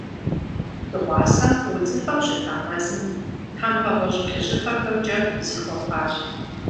Дыгъуасэ удзыфэу щыта мэзым, тхьэмпэ гъуэжь-плъыжьыфэхэмкӏэ зихуапащ.